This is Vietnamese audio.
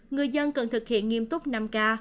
người dân cần thực hiện nghiêm túc năm ca